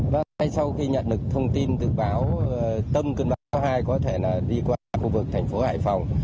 vâng sau khi nhận được thông tin từ báo tâm cơn bão số hai có thể đi qua khu vực tp hải phòng